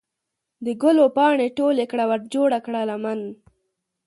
د ګلو پاڼې ټولې کړه ورجوړه کړه لمن